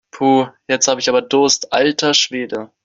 Puh, jetzt habe ich aber Durst, alter Schwede!